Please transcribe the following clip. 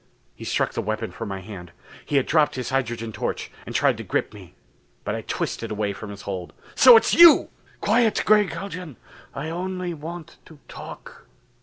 He struck the weapon from my hand. He had dropped his hydrogen torch, and tried to grip me. But I twisted away from his hold. "So it's you!" "Quiet, Gregg Haljan! I only want to talk."